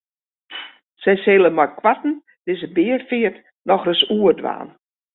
Sy sille meikoarten dizze beafeart nochris oerdwaan.